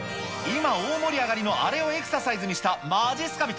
今、大盛り上がりのあれをエクササイズにしたまじっすか人。